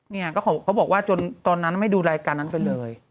เขาบอกว่าจนตอนนั้นไม่ดูรายการนั้นไปเลย